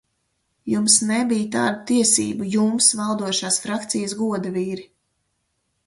Jums nebija tādu tiesību, jums, valdošās frakcijas godavīri!